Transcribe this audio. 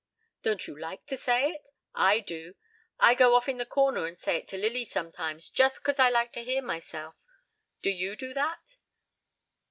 "Don't you like to say it? I do. I go off in the corner and say it to Lily sometimes, just 'cause I like to hear myself. Do you do that?"